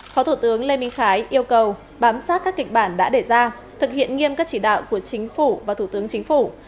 phó thủ tướng lê minh khái yêu cầu bám sát các kịch bản đã để ra thực hiện nghiêm các chỉ đạo của chính phủ và thủ tướng chính phủ